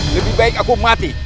lebih baik aku mati